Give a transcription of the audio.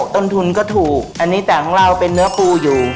ต้นทุนก็ถูกอันนี้แต่ของเราเป็นเนื้อปูอยู่